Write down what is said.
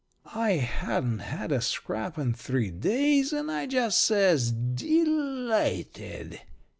I hadn't had a scrap in three days, and I just says, 'De light ed!'